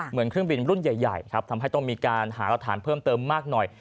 เหมือนเครื่องบินรุ่นใหญ่ครับทำให้ต้องมีการหารักฐานเพิ่มเติมมากหน่อย